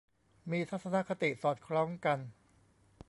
มีทัศนคติสอดคล้องกัน